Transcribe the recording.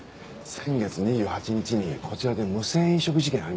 先月２８日にこちらで無銭飲食事件ありましたよね？